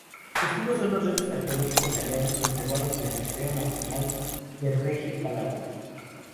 Testigos son los restos arqueológicos hallados, conservados en el museo nacional de Reggio Calabria.